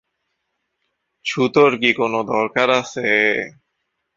ছুতোর কি কোনো দরকার আছে?